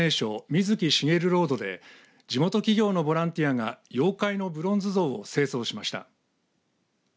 水木しげるロードで地元企業のボランティアが妖怪のブロンズ像を清掃しました。